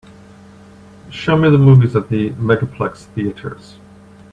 Show me the movies at the Megaplex Theatres.